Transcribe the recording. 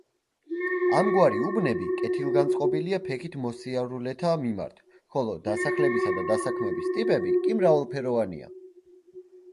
ამგვარი უბნები კეთილგანწყობილია ფეხით მოსიარულეთა მიმართ, ხოლო დასახლებისა და დასაქმების ტიპები კი მრავალფეროვანია.